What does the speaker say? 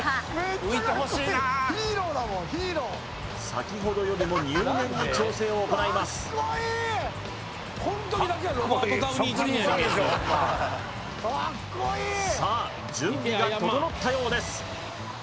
先ほどよりも入念に調整を行いますさあ準備が整ったようです